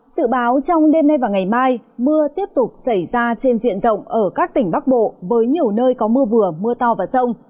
sự báo trong đêm nay và ngày mai mưa tiếp tục xảy ra trên diện rộng ở các tỉnh bắc bộ với nhiều nơi có mưa vừa mưa to và rông